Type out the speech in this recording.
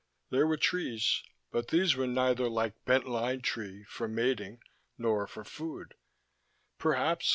There were trees, but these were neither like Bent Line Tree, for mating, nor for food.